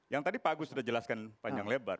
yang tadi pak agus sudah jelaskan panjang lebar